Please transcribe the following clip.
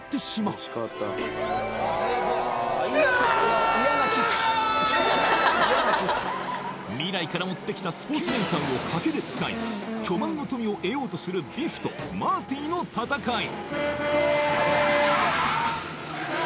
うわあっ未来から持ってきたスポーツ年鑑を賭けで使い巨万の富を得ようとするビフとマーティの戦い